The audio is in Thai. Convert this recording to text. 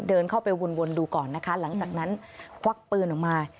เดินเข้าไปวนดูก่อนนะคะหลังจากนั้นควักปืนออกมา